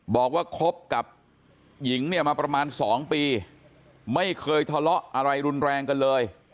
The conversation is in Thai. บอกว่าคบกับหญิงเนี่ยมาประมาณ๒ปีไม่เคยทะเลาะอะไรรุนแรงกันเลย